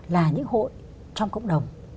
là những hội trong cộng đồng